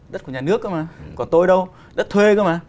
đất của nhà nước cơ mà còn tôi đâu đất thuê cơ mà